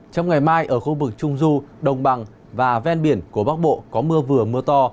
trong ngày mai ở khu vực trung du đồng bằng và ven biển của bắc bộ có mưa vừa mưa to